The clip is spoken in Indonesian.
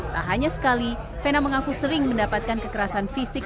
tak hanya sekali vena mengaku sering mendapatkan kekerasan fisik